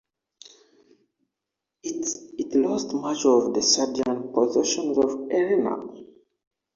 It lost much of its Sardinian possessions to Eleanor.